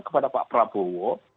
kepada pak prabowo